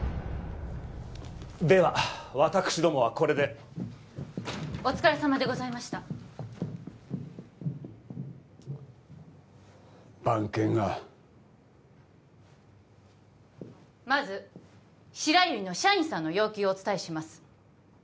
では私どもはこれでお疲れさまでございました番犬がまず白百合の社員さんの要求をお伝えします